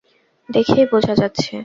দেখেই বোঝা যাচ্ছে।